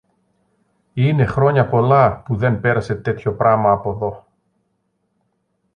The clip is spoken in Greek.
Είναι χρόνια πολλά που δεν πέρασε τέτοιο πράμα από δω.